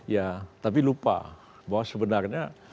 ya tapi lupa bahwa sebenarnya